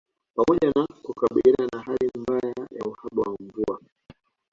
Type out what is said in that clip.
Pamoja na kukabiliana na hali mbaya ya uhaba wa mvua